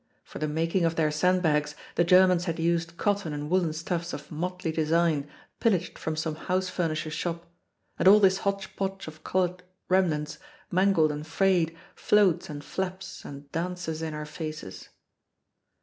For the making of their sandbags the Germans had used cotton and woolen stuffs of motley design pillaged from some house furnisher's shop; and all this hotch potch of colored remnants, mangled and frayed, floats and flaps and dances in our faces.